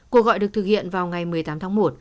cuộc gọi được thực hiện vào ngày một mươi tám tháng một